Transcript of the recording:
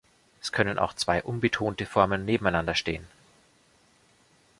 Es können auch zwei unbetonte Formen nebeneinander stehen.